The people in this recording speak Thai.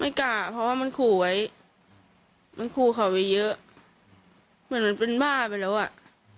กล้าเพราะว่ามันขู่ไว้มันขู่เขาไปเยอะเหมือนมันเป็นบ้าไปแล้วอ่ะ